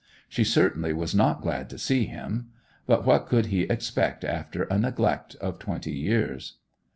She certainly was not glad to see him. But what could he expect after a neglect of twenty years!